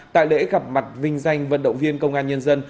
tại lễ gặp mặt vinh danh vận động viên công an nhân dân